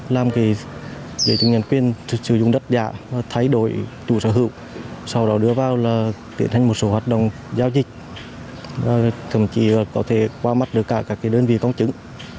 làm giấy chứng nhận quyền sử dụng đất giả thay đổi chủ sở hữu sau đó đưa vào tiện hành một số hoạt động giao dịch thậm chí có thể qua mắt được cả đơn vị công chứng